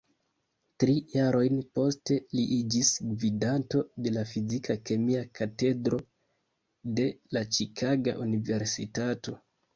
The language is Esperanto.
Tri jarojn poste, li iĝis gvidanto de la fizika-kemia katedro de la Ĉikaga Universitato.